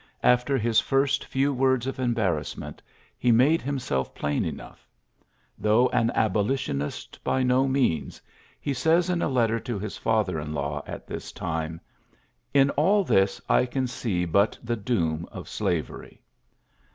After his first few words of embarrassment^ he made himself plain enough. Though an Abolitionist by no means, he says in a letter to his father in law at this time, '^In all this I can see but the doom of slavery."